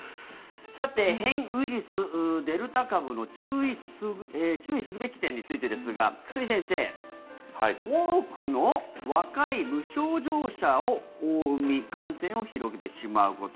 さて、変異ウイルス、デルタ株の注意するべき点について久住先生多くの若い無症状者を生み感染を広げてしまうこと。